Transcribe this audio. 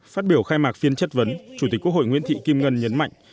phát biểu khai mạc phiên chất vấn chủ tịch quốc hội nguyễn thị kim ngân nhấn mạnh